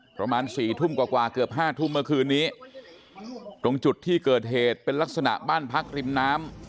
ประมาณสี่ทุ่มกว่ากว่าเกือบห้าทุ่มเมื่อคืนนี้ตรงจุดที่เกิดเหตุเป็นลักษณะบ้านพักริมน้ำ